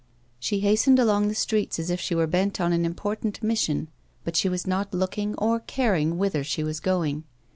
She hastened along the streets as if she were bent on an important mission, but she was not looking or caring whither she was going.